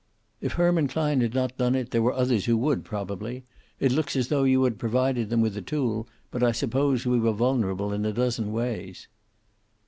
"If Herman Klein had not done it, there were others who would, probably. It looks as though you had provided them with a tool, but I suppose we were vulnerable in a dozen ways."